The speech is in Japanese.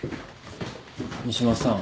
三島さん。